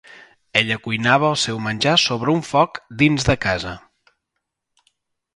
Ella cuinava el seu menjar sobre un foc dins de casa.